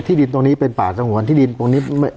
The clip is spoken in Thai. ยังไม่ได้รวมถึงกรณีว่าคุณปรินาจะได้ที่ดินเพื่อการเกษตรหรือเปล่า